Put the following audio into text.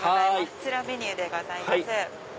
こちらメニューでございます。